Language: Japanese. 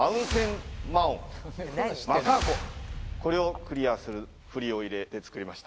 これをクリアする振りを入れて作りました。